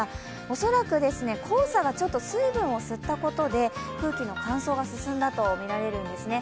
恐らく黄砂が水分を吸ったことで空気の乾燥が進んだとみられるんですね。